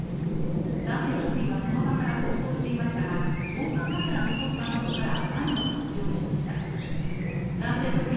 男性職員はその場から逃走していましたが、防犯カメラの捜査などお天気です。